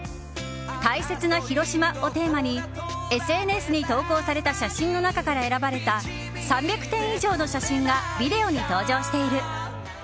「大切なひろしま」をテーマにＳＮＳに投稿された写真の中から選ばれた３００点以上の写真がビデオに登場している。